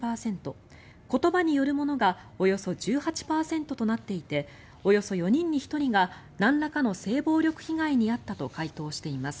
言葉によるものがおよそ１８％となっていておよそ４人に１人がなんらかの性暴力被害に遭ったと回答しています。